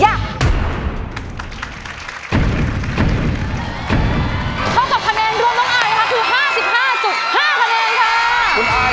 เท่ากับคะแนนร่วมน้องอายนะคะคือ๕๕คะแนนค่ะ